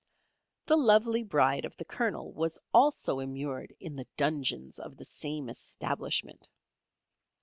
The lovely bride of the Colonel was also immured in the Dungeons of the same establishment.